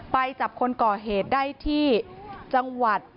ไปจับคนก่อเหตุได้ที่จังหวัด